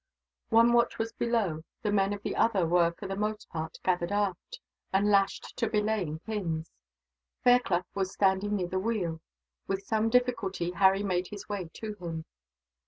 One watch was below, the men of the other were for the most part gathered aft, and lashed to belaying pins. Fairclough was standing near the wheel. With some difficulty, Harry made his way to him.